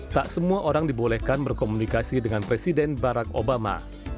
tak semua orang dibolehkan berkomunikasi dengan presiden barack obama